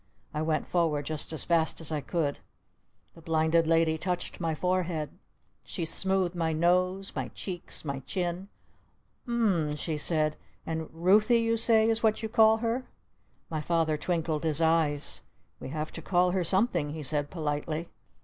I went forward just as fast as I could. The Blinded Lady touched my forehead. She smoothed my nose, my cheeks, my chin. "U m mmm," she said. "And 'Ruthy' you say is what you call her?" My Father twinkled his eyes. "We have to call her something!" he said politely.